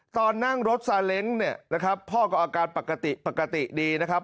ตอนนั่งรถซาเล้งเนี่ยนะครับพ่อก็อาการปกติดีนะครับ